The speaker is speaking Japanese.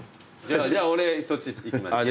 じゃあ俺そっちいきます。